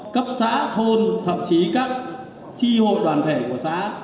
cấp xã thôn thậm chí các tri hội đoàn thể của xã